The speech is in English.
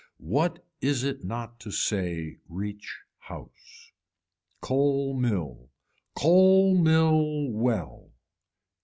What is it not to say reach house. Coal mill. Coal mill well.